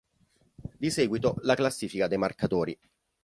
Di seguito, la classifica dei marcatori.